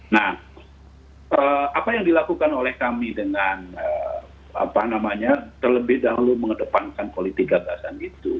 nah apa yang dilakukan oleh kami dengan terlebih dahulu mengedepankan politik gagasan itu